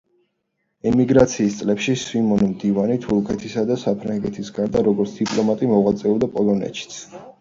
ემიგრაციის წლებში სვიმონ მდივანი თურქეთისა და საფრანგეთის გარდა, როგორც დიპლომატი მოღვაწეობდა პოლონეთშიც.